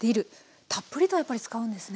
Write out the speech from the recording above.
たっぷりとやっぱり使うんですね。